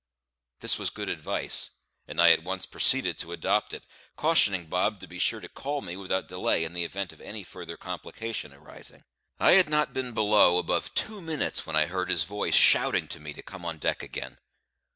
This was good advice, and I at once proceeded to adopt it, cautioning Bob to be sure to call me without delay in the event of any further complication arising. I had not been below above two minutes when I heard his voice shouting to me to come on deck again.